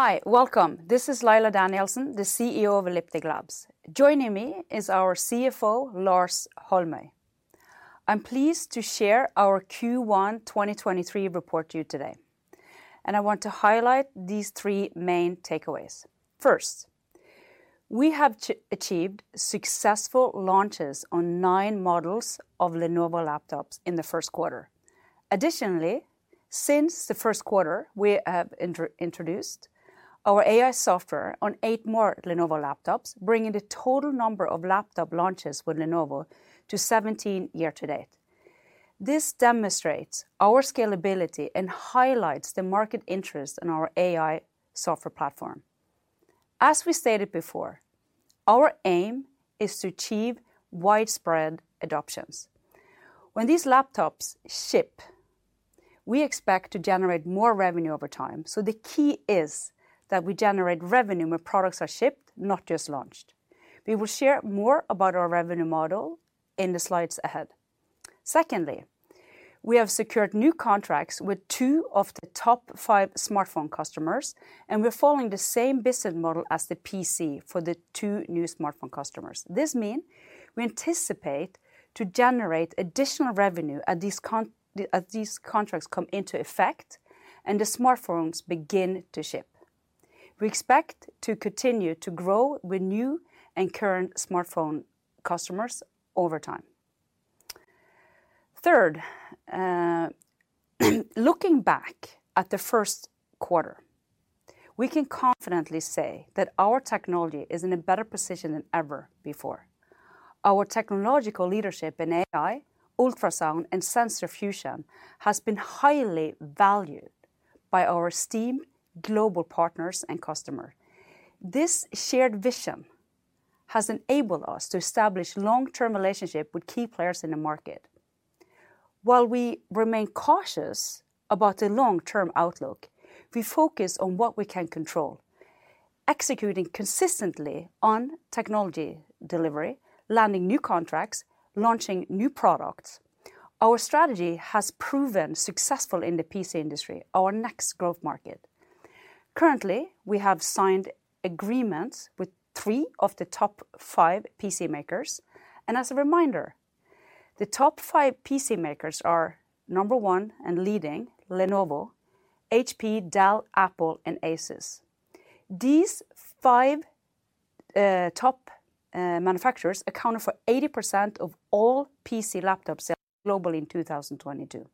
Hi, welcome. This is Laila Danielsen, the CEO of Elliptic Labs. Joining me is our CFO, Lars Holmøy. I'm pleased to share our Q1 2023 report to you today, and I want to highlight these three main takeaways. First, we have achieved successful launches on nine models of Lenovo laptops in the first quarter. Additionally, since the first quarter, we have introduced our AI software on eight more Lenovo laptops, bringing the total number of laptop launches with Lenovo to 17 year to date. This demonstrates our scalability and highlights the market interest in our AI software platform. As we stated before, our aim is to achieve widespread adoptions. When these laptops ship, we expect to generate more revenue over time, so the key is that we generate revenue when products are shipped, not just launched. We will share more about our revenue model in the slides ahead. Secondly, we have secured new contracts with two of the top five smartphone customers, and we're following the same business model as the PC for the two new smartphone customers. This mean we anticipate to generate additional revenue as these contracts come into effect and the smartphones begin to ship. We expect to continue to grow with new and current smartphone customers over time. Third, looking back at the first quarter, we can confidently say that our technology is in a better position than ever before. Our technological leadership in AI, ultrasound, and sensor fusion has been highly valued by our esteemed global partners and customer. This shared vision has enabled us to establish long-term relationship with key players in the market. While we remain cautious about the long-term outlook, we focus on what we can control, executing consistently on technology delivery, landing new contracts, launching new products. Our strategy has proven successful in the PC industry, our next growth market. Currently, we have signed agreements with three of the top five PC makers, and as a reminder, the top five PC makers are, Number one, and leading, Lenovo, HP, Dell, Apple, and Asus. These five top manufacturers accounted for 80% of all PC laptops sales globally in 2022.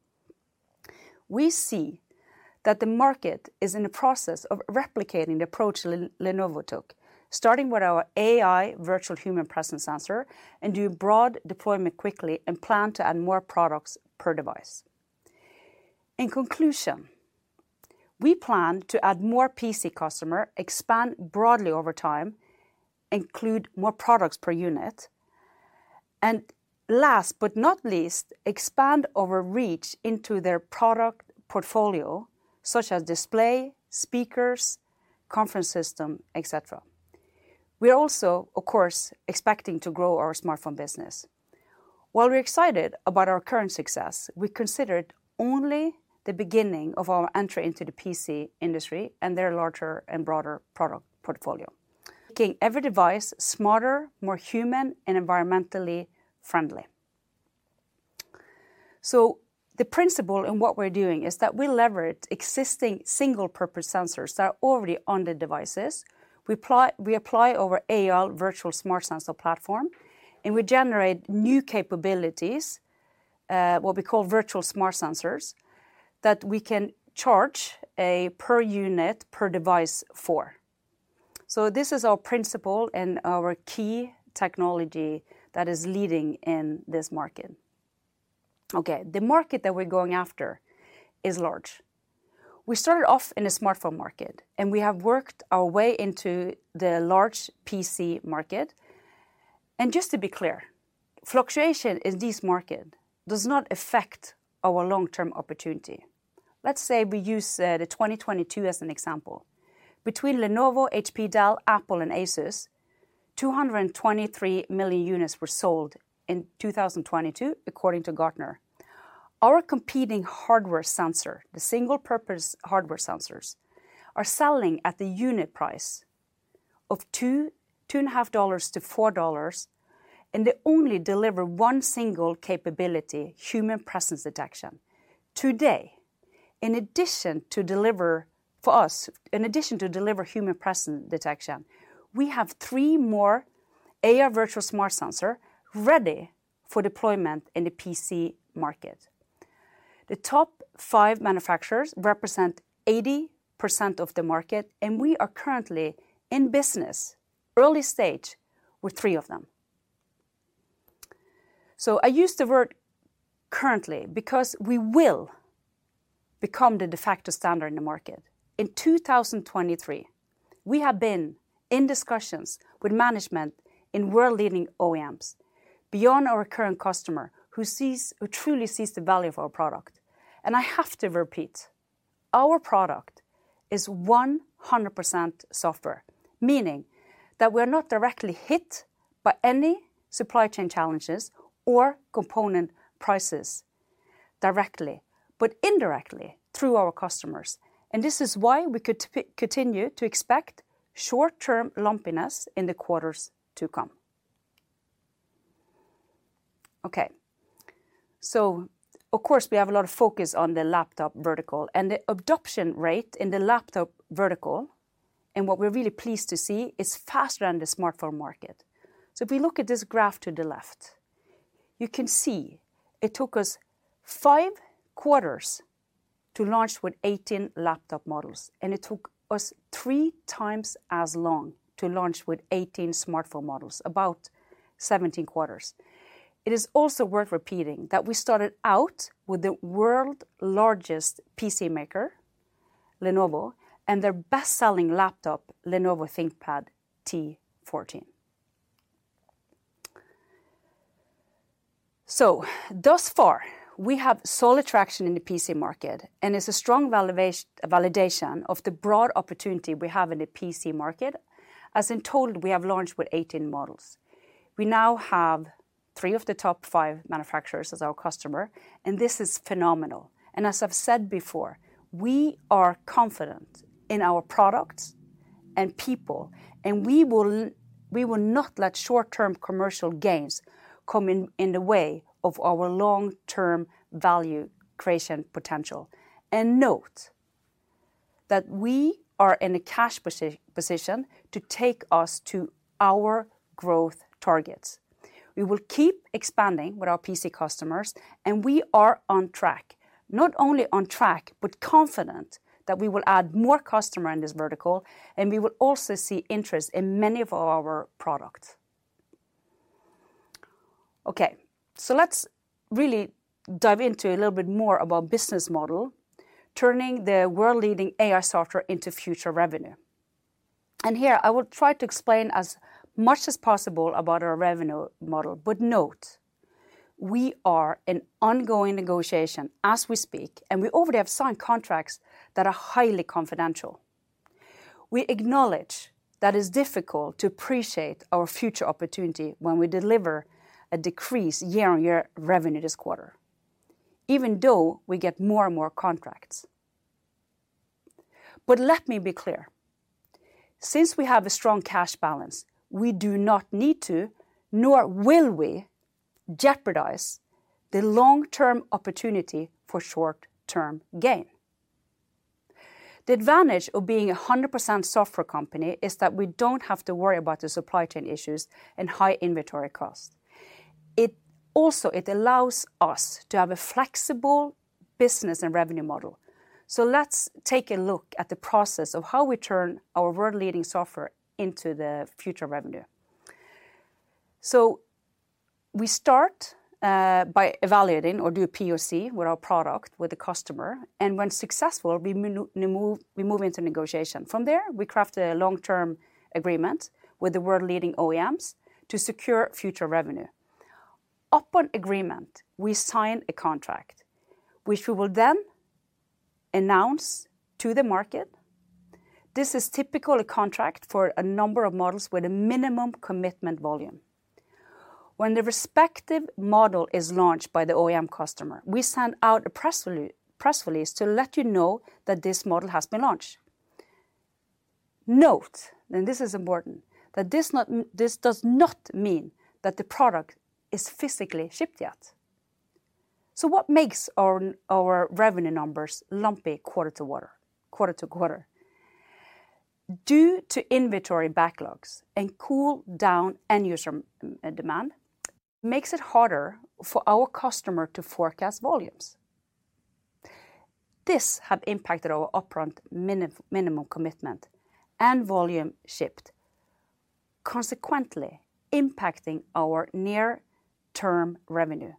We see that the market is in the process of replicating the approach Lenovo took, starting with our AI Virtual Human Presence Sensor, and do broad deployment quickly, and plan to add more products per device. In conclusion, we plan to add more PC customer, expand broadly over time, include more products per unit, and last but not least, expand our reach into their product portfolio, such as display, speakers, conference system, et cetera. We are also, of course, expecting to grow our smartphone business. While we're excited about our current success, we consider it only the beginning of our entry into the PC industry and their larger and broader product portfolio, making every device smarter, more human, and environmentally friendly. The principle in what we're doing is that we leverage existing single-purpose sensors that are already on the devices. We apply our AI Virtual Smart Sensor Platform, and we generate new capabilities, what we call Virtual Smart Sensors, that we can charge a per unit, per device for. This is our principle and our key technology that is leading in this market. Okay, the market that we're going after is large. We started off in the smartphone market, and we have worked our way into the large PC market. Just to be clear, fluctuation in this market does not affect our long-term opportunity. Let's say we use the 2022 as an example. Between Lenovo, HP, Dell, Apple, and Asus, 223 million units were sold in 2022, according to Gartner. Our competing hardware sensor, the single-purpose hardware sensors, are selling at the unit price of $2, $2.5- $4, and they only deliver one single capability, human presence detection. Today, in addition to deliver... For us, in addition to deliver human presence detection, we have three more AI Virtual Smart Sensor ready for deployment in the PC market. The top five manufacturers represent 80% of the market, we are currently in business, early stage, with three of them. I use the word currently because we will become the de facto standard in the market. In 2023, we have been in discussions with management in world-leading OEMs, beyond our current customer, who truly sees the value of our product. I have to repeat, our product is 100% software, meaning that we're not directly hit by any supply chain challenges or component prices increases, directly, but indirectly through our customers, this is why we could continue to expect short-term lumpiness in the quarters to come. Okay. Of course, we have a lot of focus on the laptop vertical, and the adoption rate in the laptop vertical, and what we're really pleased to see, is faster than the smartphone market. If we look at this graph to the left, you can see it took us five quarters to launch with 18 laptop models, and it took us three times as long to launch with 18 smartphone models, about 17 quarters. It is also worth repeating that we started out with the world's largest PC maker, Lenovo, and their best-selling laptop, Lenovo ThinkPad T14. Thus far, we have solid traction in the PC market, and it's a strong validation of the broad opportunity we have in the PC market, as in total, we have launched with 18 models. We now have three of the top five manufacturers as our customer, and this is phenomenal. As I've said before, we are confident in our products and people, we will not let short-term commercial gains come in the way of our long-term value creation potential. Note, that we are in a cash position to take us to our growth targets. We will keep expanding with our PC customers, and we are on track, not only on track, but confident that we will add more customer in this vertical, and we will also see interest in many of our products. Let's really dive into a little bit more about business model, turning the world-leading AI software into future revenue. Here I will try to explain as much as possible about our revenue model, but note, we are in ongoing negotiation as we speak, and we already have signed contracts that are highly confidential. We acknowledge that it's difficult to appreciate our future opportunity when we deliver a decreased year-on-year revenue this quarter, even though we get more and more contracts. Let me be clear, since we have a strong cash balance, we do not need to, nor will we, jeopardize the long-term opportunity for short-term gain. The advantage of being a 100% software company is that we don't have to worry about the supply chain issues and high inventory cost. It also, it allows us to have a flexible business and revenue model. Let's take a look at the process of how we turn our world-leading software into the future revenue. We start by evaluating or do a POC with our product, with the customer, and when successful, we move into negotiation. From there, we craft a long-term agreement with the world-leading OEMs to secure future revenue. Upon agreement, we sign a contract, which we will then announce to the market. This is typical a contract for a number of models with a minimum commitment volume. When the respective model is launched by the OEM customer, we send out a press release to let you know that this model has been launched. Note, and this is important, that this does not mean that the product is physically shipped yet. What makes our revenue numbers lumpy quarter to quarter? Due to inventory backlogs and cool down end user demand, makes it harder for our customer to forecast volumes. This have impacted our upfront minimum commitment and volume shipped, consequently impacting our near-term revenue.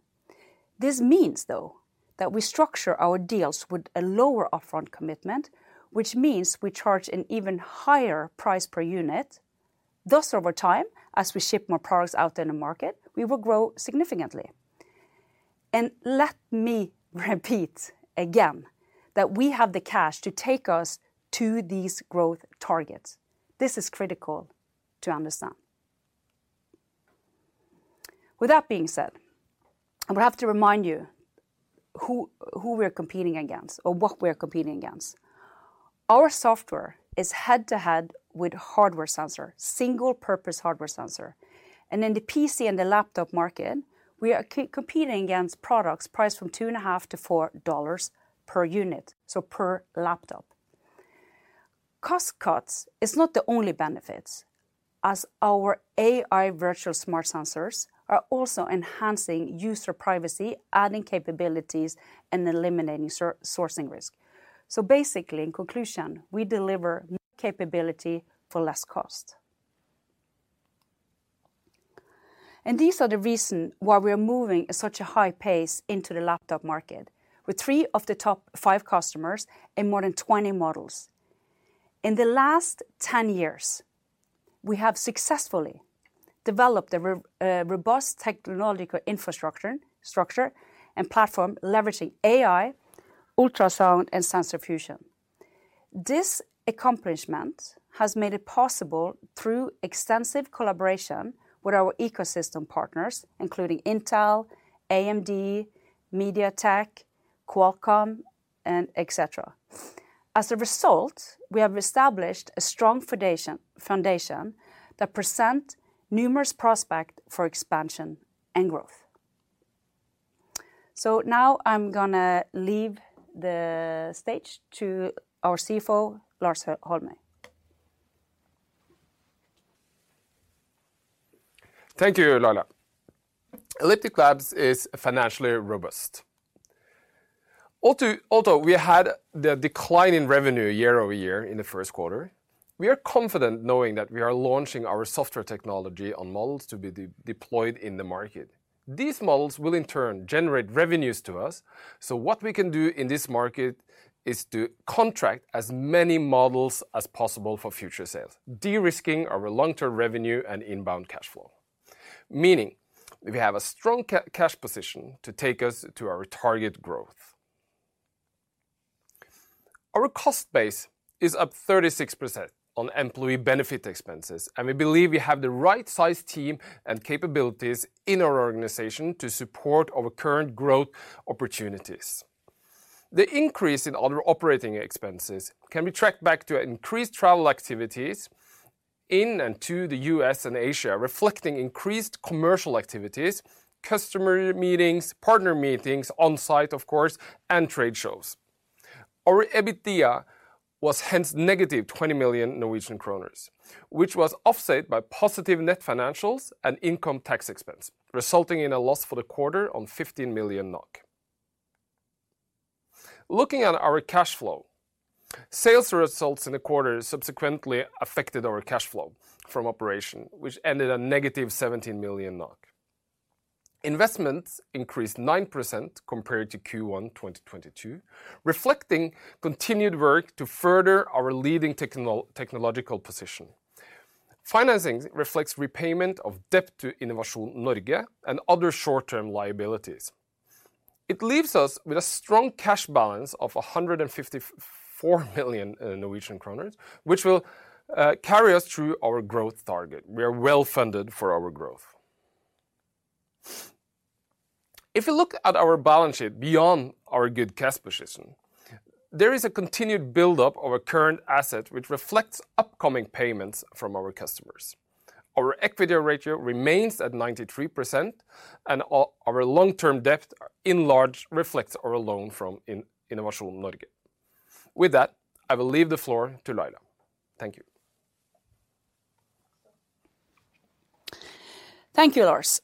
This means, though, that we structure our deals with a lower upfront commitment, which means we charge an even higher price per unit. Thus, over time, as we ship more products out in the market, we will grow significantly. Let me repeat again, that we have the cash to take us to these growth targets. This is critical to understand. With that being said, I would have to remind you who we're competing against or what we're competing against. Our software is head-to-head with hardware sensor, single-purpose hardware sensor. In the PC and the laptop market, we are competing against products priced from $2.5-$4 per unit, so per laptop. Cost cuts is not the only benefits, as our AI Virtual Smart Sensors are also enhancing user privacy, adding capabilities, and eliminating sourcing risk. Basically, in conclusion, we deliver capability for less cost. These are the reason why we are moving at such a high pace into the laptop market, with three of the top five customers and more than 20 models. In the last 10 years, we have successfully developed a robust technological infrastructure and platform leveraging AI, ultrasound, and sensor fusion. This accomplishment has made it possible through extensive collaboration with our ecosystem partners, including Intel, AMD, MediaTek, Qualcomm, and et cetera. As a result, we have established a strong foundation that present numerous prospect for expansion and growth. Now I'm gonna leave the stage to our CFO, Lars Holmøy. Thank you, Laila. Elliptic Labs is financially robust. Although we had the decline in revenue year-over-year in the first quarter, we are confident knowing that we are launching our software technology on models to be deployed in the market. These models will in turn generate revenues to us. What we can do in this market is to contract as many models as possible for future sales, de-risking our long-term revenue and inbound cash flow, meaning we have a strong cash position to take us to our target growth. Our cost base is up 36% on employee benefit expenses. We believe we have the right size team and capabilities in our organization to support our current growth opportunities. The increase in other operating expenses can be tracked back to increased travel activities in and to the U.S. and Asia, reflecting increased commercial activities, customer meetings, partner meetings, on site, of course, and trade shows. Our EBITDA was hence negative 20 million Norwegian kroner, which was offset by positive net financials and income tax expense, resulting in a loss for the quarter on 15 million NOK. Looking at our cash flow, sales results in the quarter subsequently affected our cash flow from operation, which ended at negative 17 million NOK. Investments increased 9% compared to Q1 2022, reflecting continued work to further our leading technological position. Financing reflects repayment of debt to Innovasjon Norge and other short-term liabilities. It leaves us with a strong cash balance of 154 million Norwegian kroner, which will carry us through our growth target. We are well-funded for our growth. If you look at our balance sheet beyond our good cash position, there is a continued buildup of our current asset, which reflects upcoming payments from our customers. Our equity ratio remains at 93%, and our long-term debt, in large, reflects our loan from Innovasjon Norge. I will leave the floor to Laila. Thank you. Thank you, Lars.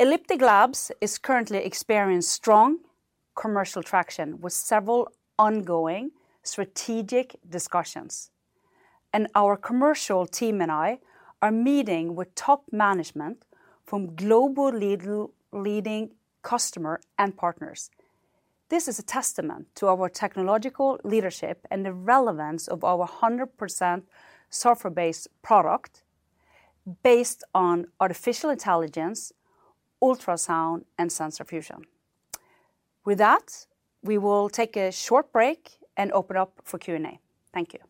Elliptic Labs is currently experiencing strong commercial traction with several ongoing strategic discussions, and our commercial team and I are meeting with top management from global leading customer and partners. This is a testament to our technological leadership and the relevance of our 100% software-based product based on artificial intelligence, ultrasound, and sensor fusion. With that, we will take a short break and open up for Q&A. Thank you.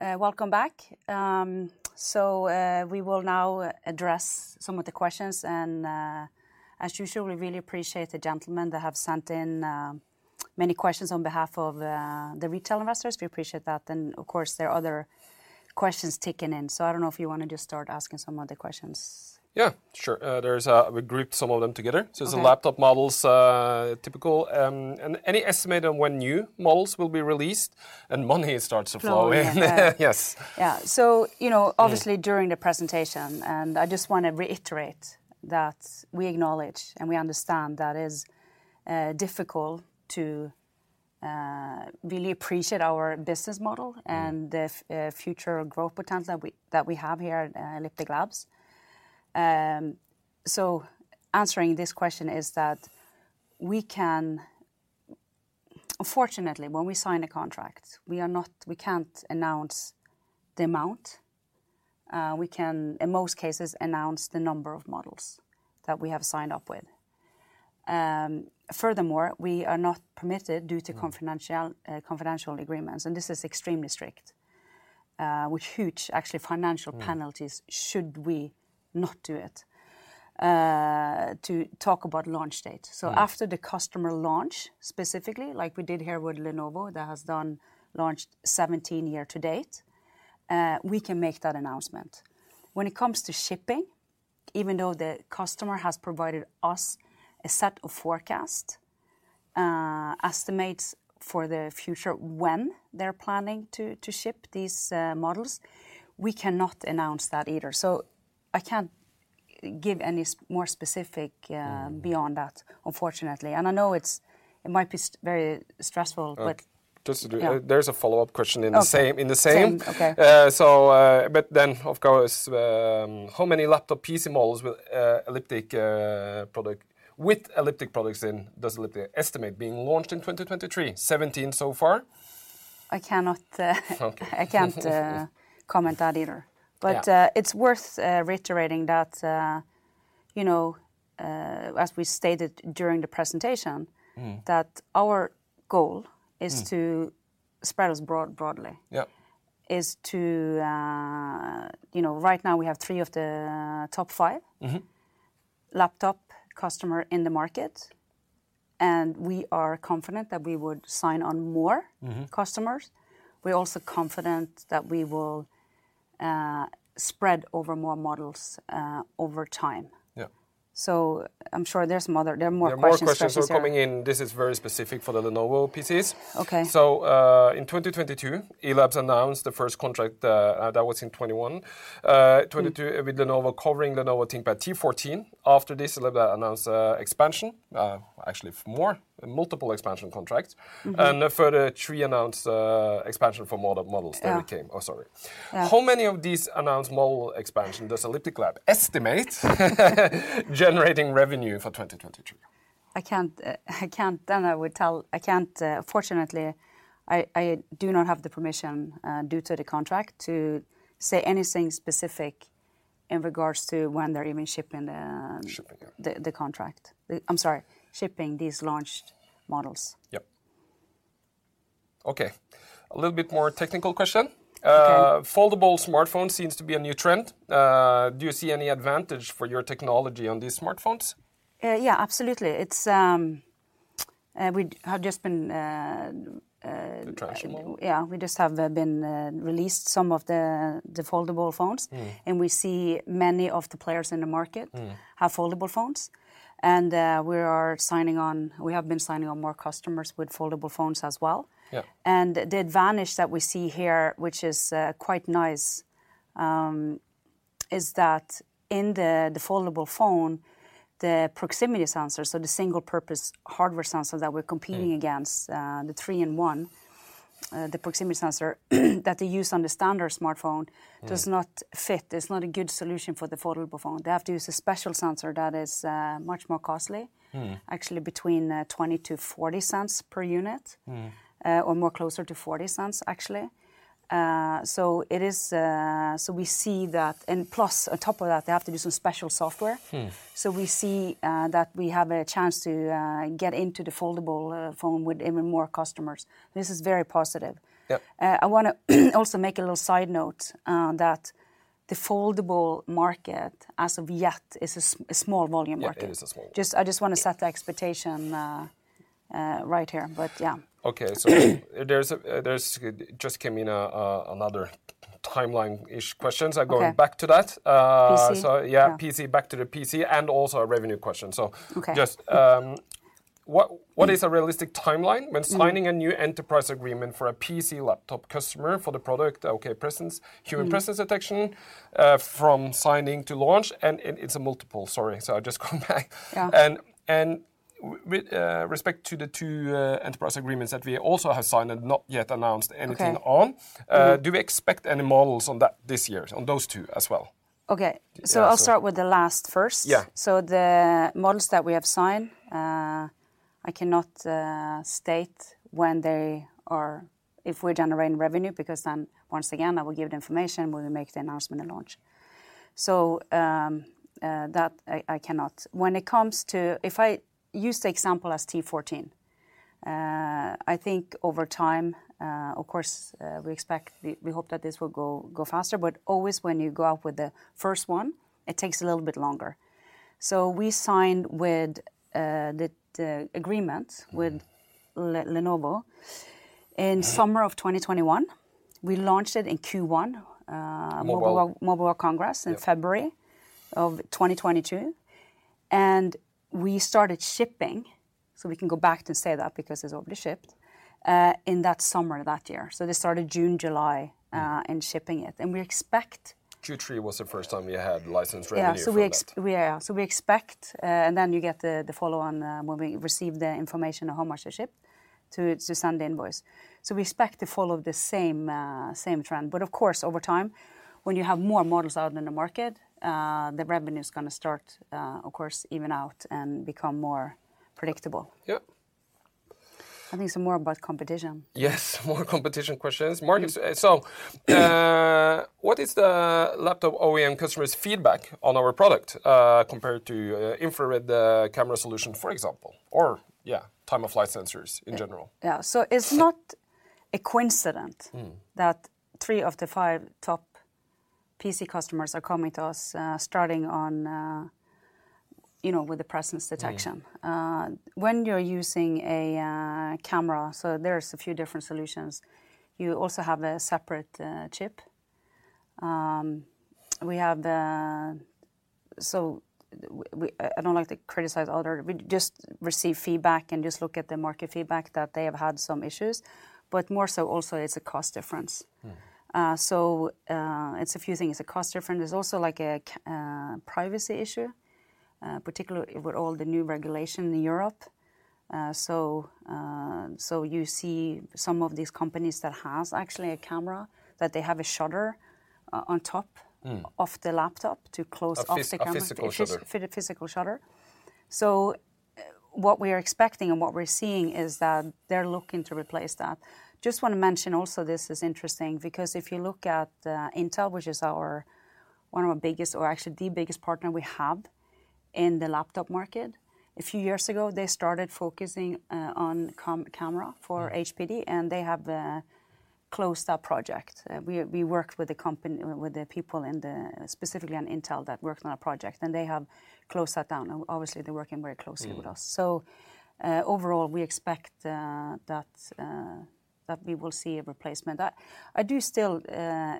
Welcome back. We will now address some of the questions. As usual, we really appreciate the gentlemen that have sent in many questions on behalf of the retail investors. We appreciate that, and of course, there are other questions ticking in. I don't know if you want to just start asking some of the questions. Yeah, sure. We grouped some of them together. Okay. The laptop models, typical, and any estimate on when new models will be released, and money starts to flow in? Flow in. Yes. Yeah. You know... Yeah Obviously, during the presentation, I just want to reiterate that we acknowledge and we understand that is difficult to really appreciate our business model. Mm And the future growth potential we, that we have here at Elliptic Labs. Answering this question is that we can, unfortunately, when we sign a contract, we can't announce the amount. We can, in most cases, announce the number of models that we have signed up with. Furthermore, we are not permitted due to confidential agreements, and this is extremely strict, with huge actually financial penalties. Mm. Should we not do it, to talk about launch date. Mm. After the customer launch, specifically like we did here with Lenovo, that has done launched 17 year-to-date, we can make that announcement. When it comes to shipping, even though the customer has provided us a set of forecast estimates for the future when they're planning to ship these models, we cannot announce that either. I can't give any more specific... Mm Beyond that, unfortunately. I know it's, it might be very stressful. Just to- Yeah. There's a follow-up question in the same... Okay In the same. Okay. Of course, how many laptop PC models with Elliptic products in, does Elliptic estimate being launched in 2023? 17 so far. I cannot. Okay. I can't comment that either. Yeah. It's worth reiterating that, you know, as we stated during the presentation. Mm... that our goal is to-. Mm spread us broadly. Yeah. Is to, you know, right now we have three of the top five- Mm-hmm laptop customer in the market, and we are confident that we would sign on more-. Mm-hmm... customers. We're also confident that we will spread over more models over time. Yeah. I'm sure there are more questions here. There more questions coming in. This is very specific for the Lenovo PCs. Okay. In 2022, Elliptic announced the first contract, that was in 2021. 2022. Mm... with Lenovo covering Lenovo ThinkPad T14. After this, Elliptic announced, expansion, actually more, multiple expansion contracts. Mm-hmm. A further three announced expansion for more models. Yeah than we came. Oh, sorry. Yeah. How many of these announced model expansion does Elliptic Labs estimate generating revenue for 2023? I can't, fortunately, I do not have the permission, due to the contract to say anything specific in regards to when they're even shipping. Shipping, yeah.... the contract. I'm sorry, shipping these launched models. Yep. Okay, a little bit more technical question? Okay. Foldable smartphone seems to be a new trend. Do you see any advantage for your technology on these smartphones? Yeah, absolutely. We have just been. Attraction. Yeah, we just have been released some of the foldable phones. Mm. We see many of the players in the market. Mm... have foldable phones, and, we have been signing on more customers with foldable phones as well. Yeah. The advantage that we see here, which is quite nice, is that in the foldable phone, the proximity sensor, so the single-purpose hardware sensor that we're competing against. Mm... the three-in-one, the proximity sensor, that they use on the standard smartphone. Mm... does not fit. It's not a good solution for the foldable phone. They have to use a special sensor that is much more costly. Mm. Actually, between $0.20-$0.40 per unit. Mm. Or more closer to $0.40, actually. We see that, and plus, on top of that, they have to do some special software. Mm. We see that we have a chance to get into the foldable phone with even more customers. This is very positive. Yep. I want to also make a little side note that the foldable market, as of yet, is a small volume market. Yeah, it is a small one. I just want to set the expectation right here, but yeah. Okay. Just came in another timeline-ish questions. Okay. going back to that. PC. Yeah, PC, back to the PC, and also a revenue question. Okay... just, what is a realistic timeline? Mm... when signing a new enterprise agreement for a PC laptop customer for the product, okay, presence-. Mm... human presence detection, from signing to launch? It's a multiple, sorry. I'll just come back. Yeah. With respect to the two enterprise agreements that we also have signed and not yet announced anything on. Okay... do we expect any models on that this year, on those two as well? Okay. Yeah. I'll start with the last first. Yeah. The models that we have signed, I cannot state when they are if we're generating revenue, because then, once again, that will give the information when we make the announcement and launch. That I cannot. When it comes to, if I use the example as T14, I think over time, of course, we expect, we hope that this will go faster, but always when you go out with the first one, it takes a little bit longer. We signed with the agreement with Lenovo. Mm in summer of 2021. Yeah. We launched it in Q1. Mobile Mobile Congress. Yeah... in February of 2022. We started shipping, so we can go back and say that because it's already shipped, in that summer that year. They started June, July. Mm... and shipping it. Q3 was the first time you had license revenue from that. We expect. You get the follow-on when we receive the information on how much to ship, to send the invoice. We expect to follow the same trend. Of course, over time, when you have more models out in the market, the revenue is going to start, of course, even out and become more predictable. Yep.... I think it's more about competition. Yes, more competition questions. What is the laptop OEM customers' feedback on our product, compared to infrared camera solution, for example, or yeah, time-of-flight sensors in general? Yeah, it's not a coincidence- Mm. that three of the five top PC customers are coming to us, starting on, you know, with the presence detection. Mm. When you're using a camera, there's a few different solutions. You also have a separate chip. We don't like to criticize. We just receive feedback and just look at the market feedback that they have had some issues, but more so also it's a cost difference. Mm. It's a few things. It's a cost difference. There's also like a privacy issue, particularly with all the new regulation in Europe. You see some of these companies that has actually a camera, that they have a shutter on top. Mm of the laptop to close off the camera. A physical shutter? A physical shutter. What we are expecting and what we're seeing is that they're looking to replace that. Just want to mention also, this is interesting because if you look at Intel, which is one of our biggest or actually the biggest partner we have in the laptop market, a few years ago, they started focusing on camera for HPD. Mm... and they have closed that project. We worked with the company, with the people in the specifically on Intel that worked on a project, and they have closed that down. Obviously, they're working very closely with us. Mm. Overall, we expect that we will see a replacement. I do still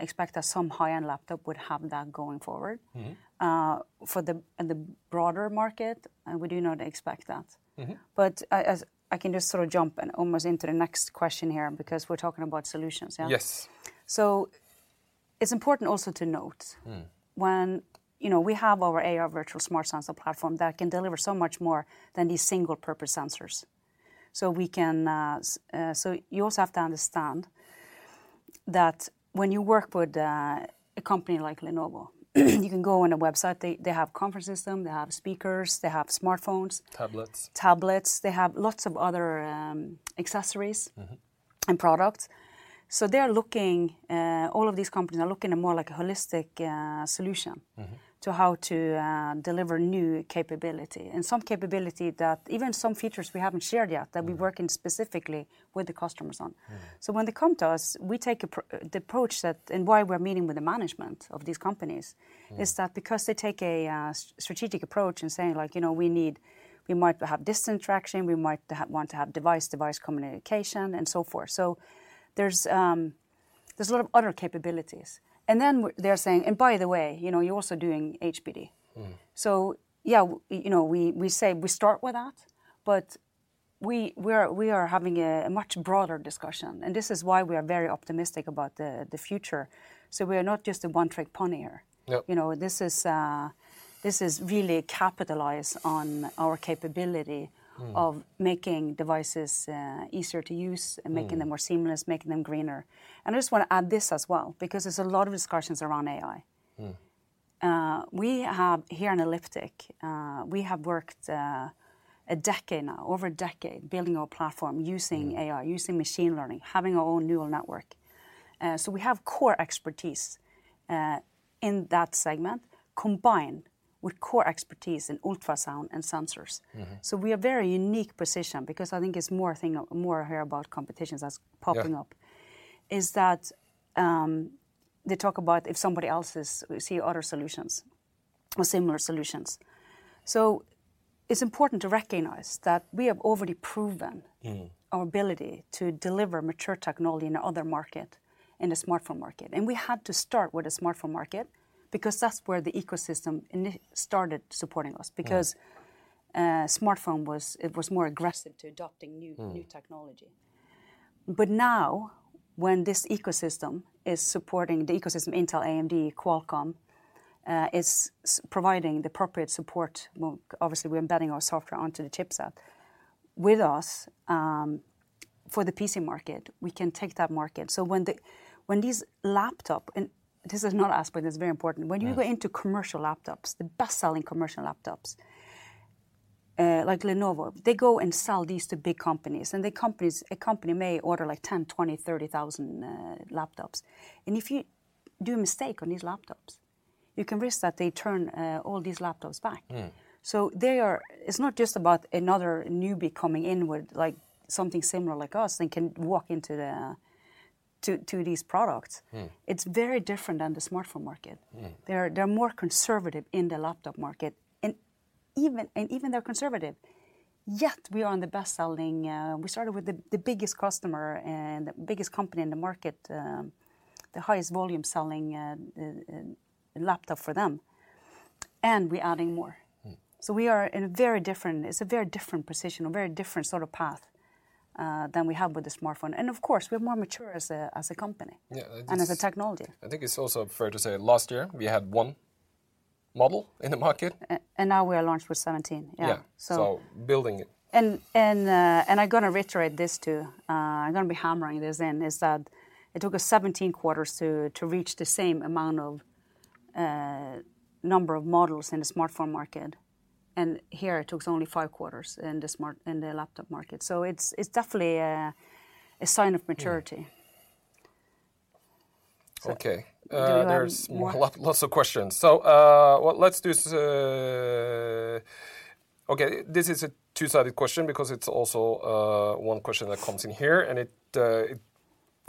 expect that some high-end laptop would have that going forward. Mm-hmm. For the, in the broader market, we do not expect that. Mm-hmm. I can just sort of jump and almost into the next question here because we're talking about solutions, yeah? Yes. It's important also to note. Mm when, you know, we have our AI Virtual Smart Sensor Platform that can deliver so much more than these single-purpose sensors. We can You also have to understand that when you work with a company like Lenovo, you can go on a website, they have conference system, they have speakers, they have smartphones. Tablets. Tablets, they have lots of other, accessories, Mm-hmm... and products. They are looking, all of these companies are looking at more like a holistic, solution. Mm-hmm... to how to deliver new capability. Some capability that even some features we haven't shared yet. Mm... that we're working specifically with the customers on. Mm. When they come to us, we take the approach that, and why we're meeting with the management of these companies. Mm... is that because they take a strategic approach in saying like, "You know, we might have distance traction, we might want to have device-to-device communication," and so forth. There's a lot of other capabilities. Then they're saying, "By the way, you know, you're also doing HPD. Mm. Yeah, you know, we say we start with that, but we are having a much broader discussion, and this is why we are very optimistic about the future. We are not just a one-trick pony here. Yep. You know, this is really capitalize on our capability-. Mm of making devices, easier to use. Mm... and making them more seamless, making them greener. I just want to add this as well, because there's a lot of discussions around AI. Mm. We have, here in Elliptic, we have worked, a decade now, over a decade, building our platform using AI- Mm... using machine learning, having our own neural network. We have core expertise in that segment, combined with core expertise in ultrasound and sensors. Mm-hmm. We are very unique position because I think it's more thing, more I hear about competitions that's popping up. Yeah... is that, they talk about if somebody else see other solutions or similar solutions. It's important to recognize that we have already proven- Mm... our ability to deliver mature technology in other market, in the smartphone market. We had to start with the smartphone market because that's where the ecosystem started supporting us. Mm. smartphone was, it was more aggressive to adopting. Mm... new technology. Now, when this ecosystem is supporting, the ecosystem, Intel, AMD, Qualcomm is providing the appropriate support, well, obviously, we're embedding our software onto the chipset. With us, for the PC market, we can take that market. When these laptop... This is another aspect that's very important. Yeah. When you go into commercial laptops, the best-selling commercial laptops, like Lenovo, they go and sell these to big companies, a company may order like 10, 20, 30,000 laptops. If you do a mistake on these laptops, you can risk that they turn all these laptops back. Mm. it's not just about another newbie coming in with like something similar like us, they can walk into the to these products. Mm. It's very different than the smartphone market. Mm. They're more conservative in the laptop market. Even they're conservative, yet we are on the best-selling. We started with the biggest customer and the biggest company in the market, the highest volume selling laptop for them. We're adding more. Mm. We are in a very different, it's a very different position, a very different sort of path than we have with the smartphone. Of course, we're more mature as a, as a company. Yeah. As a technology. I think it's also fair to say last year, we had one model in the market. Now we are launched with 17. Yeah. Yeah. So- Building it. I'm gonna reiterate this, too, I'm gonna be hammering this in, is that it took us 17 quarters to reach the same number of models in the smartphone market. Here it took us only five quarters in the laptop market. It's definitely a sign of maturity. Yeah. So- Okay. Do I have more? There's lots of questions. Well, let's do. Okay, this is a two-sided question because it's also one question that comes in here, and it.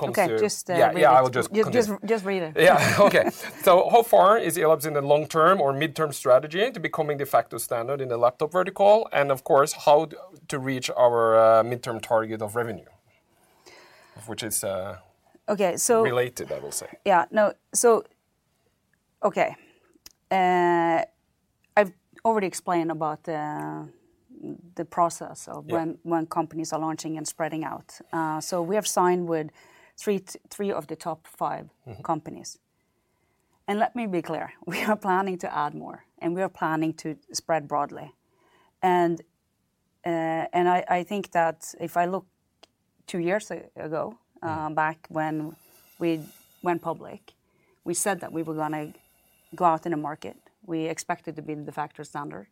Okay, just read it. Yeah, yeah, I will just continue. Just read it. Yeah, okay. How far is Elliptic in the long term or midterm strategy to becoming de facto standard in the laptop vertical? Of course, how to reach our midterm target of revenue, which is. Okay. Related, I will say. Yeah, no. Okay. I've already explained about the process. Yeah... when companies are launching and spreading out. We have signed with three of the top five. Mm-hmm... companies. Let me be clear, we are planning to add more, and we are planning to spread broadly. And I think that if I look two years ago. Yeah Back when we went public, we said that we were gonna go out in the market. We expected to be the de facto standard.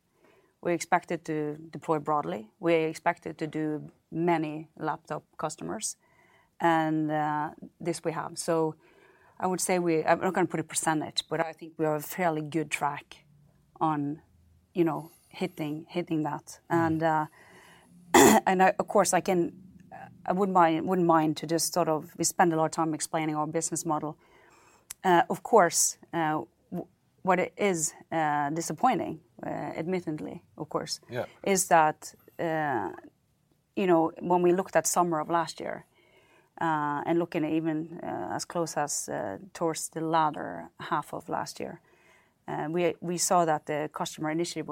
We expected to deploy broadly. We expected to do many laptop customers, and this we have. I would say I'm not going to put a percentage, but I think we are fairly good track on, you know, hitting that. Yeah. Of course, I can, I wouldn't mind to just sort of... We spend a lot of time explaining our business model. Of course, what is disappointing, admittedly, of course... Yeah is that, you know, when we looked at summer of last year, and looking even, as close as, towards the latter half of last year, we saw that the customer initially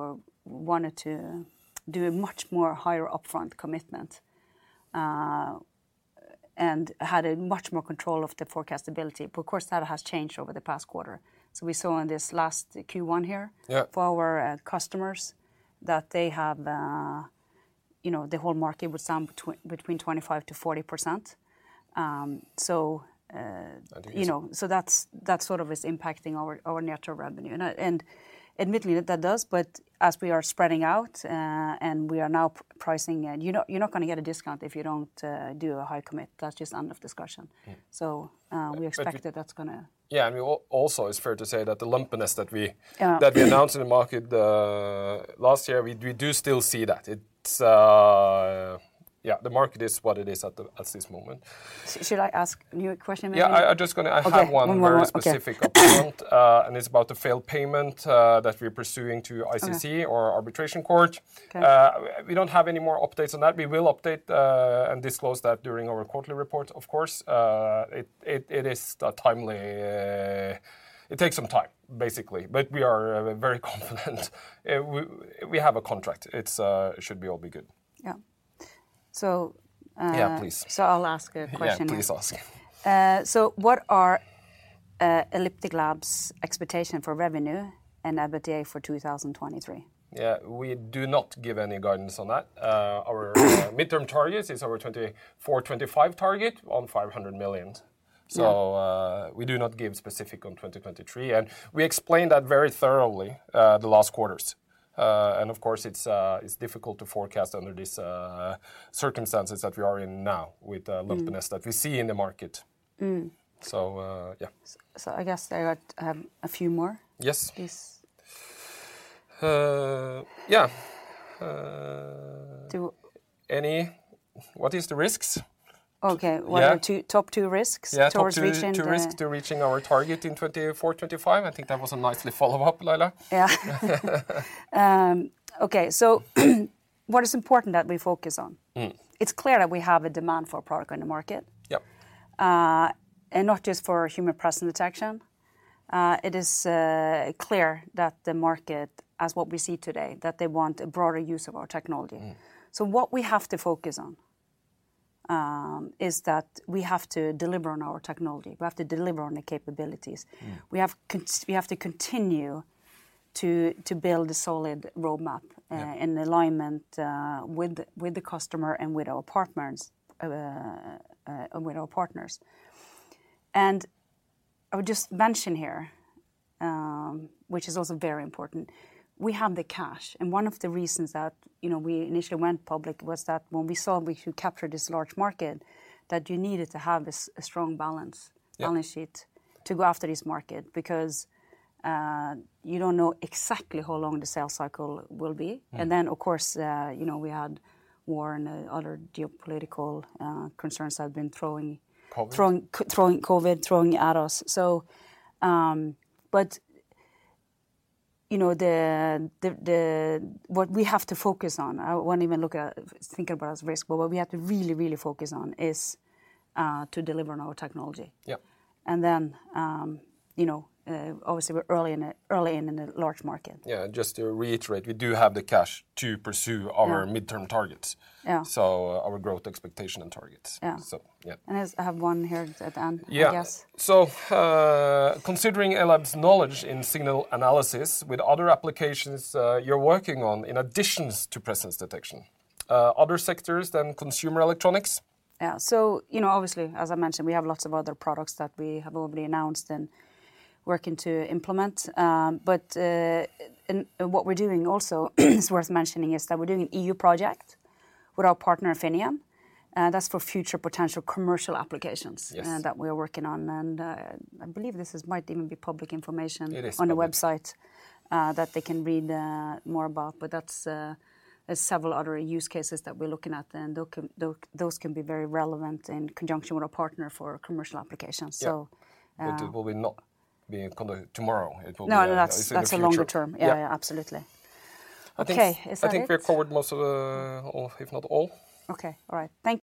wanted to do a much more higher upfront commitment, and had a much more control of the forecastability. Of course, that has changed over the past quarter. We saw in this last Q1 here. Yeah... for our customers, that they have, you know, the whole market would some between 25%-40%. I think it's- You know, that's, that sort of is impacting our net revenue. Admittedly, that does, but as we are spreading out, and we are now pricing, and you're not gonna get a discount if you don't do a high commit. That's just end of discussion. Yeah. So, uh, we expected- But-... that's gonna- Yeah, I mean, also, it's fair to say that the lumpiness that. Yeah... that we announced in the market, last year, we do still see that. It's. Yeah, the market is what it is at this moment. Should I ask you a question maybe? Yeah, I have one- Okay, one more, okay.... very specific upfront, and it's about the failed payment, that we're pursuing to ICC. Okay or arbitration court. Okay. We don't have any more updates on that. We will update and disclose that during our quarterly report, of course. It is timely, it takes some time, basically, but we are very confident. We have a contract. It should be all be good. Yeah. Yeah, please. I'll ask a question now. Yeah, please ask. What are Elliptic Labs' expectation for revenue and EBITDA for 2023? We do not give any guidance on that. Our midterm targets is our 2024, 2025 target on 500 million. Yeah. We do not give specific on 2023, and we explained that very thoroughly, the last quarters. Of course, it's difficult to forecast under these circumstances that we are in now. Mm lumpiness that we see in the market. Mm. Yeah. I guess I got a few more. Yes. Please. yeah. Do- What is the risks? Okay. Yeah. One or two, top two risks. Yeah... towards reaching. Top two risk to reaching our target in 2024, 2025. I think that was a nicely follow-up, Laila. Yeah. Okay. What is important that we focus on? Mm. It's clear that we have a demand for product on the market. Yeah. Not just for human presence detection. It is clear that the market, as what we see today, that they want a broader use of our technology. Mm. What we have to focus on, is that we have to deliver on our technology. We have to deliver on the capabilities. Yeah. We have to continue to build a solid roadmap. Yeah In alignment with the customer and with our partners. I would just mention here, which is also very important, we have the cash, and one of the reasons that, you know, we initially went public was that when we saw we could capture this large market, that you needed to have a strong balance. Yeah... balance sheet to go after this market, because, you don't know exactly how long the sales cycle will be. Mm. Of course, you know, we had war and other geopolitical concerns that have been. COVID. Throwing COVID, throwing at us. You know, what we have to focus on, I won't even look at, think about it as risk, what we have to really, really focus on is to deliver on our technology. Yeah. Then, you know, obviously, we're early in a large market. Yeah, just to reiterate, we do have the cash to pursue. Yeah our midterm targets. Yeah. Our growth expectation and targets. Yeah. Yeah. I have one here at the end. Yeah I guess. Considering Elliptic Labs' knowledge in signal analysis with other applications, you're working on in addition to presence detection, other sectors than consumer electronics? Yeah. You know, obviously, as I mentioned, we have lots of other products that we have already announced and working to implement. What we're doing also, is worth mentioning, is that we're doing an EU project with our partner, Infineon, that's for future potential commercial applications- Yes... that we are working on. I believe this is might even be public information. It is public.... on the website, that they can read, more about, but that's, there's several other use cases that we're looking at, and those can be very relevant in conjunction with our partner for commercial applications. Yeah. So, uh- it will be not being coming tomorrow. No. It's in the future. that's a longer term. Yeah. Yeah, yeah, absolutely. I think- Okay. Is that it? I think we covered most of all, if not all. Okay. All right. Thank you.